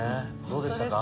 どうでしたか？